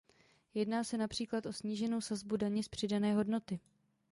Jedná se například o sníženou sazbu daně z přidané hodnoty.